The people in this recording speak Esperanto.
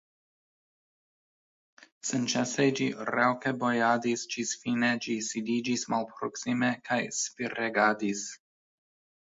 Senĉese ĝi raŭke bojadis, ĝis fine ĝi sidiĝis malproksime, kaj spiregadis.